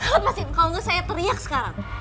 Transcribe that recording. lepas ya kalau enggak saya teriak sekarang